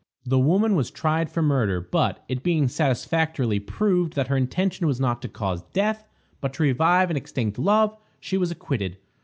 The woman was tried for murder; but, it being satisfactorily proved that her intention was not to cause death, but to revive an extinct love, she was acquitted.